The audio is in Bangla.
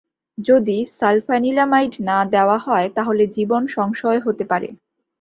যদি সালফানিলামাইড না দেওয়া হয়, তাহলে জীবন সংশয় হতে পারে।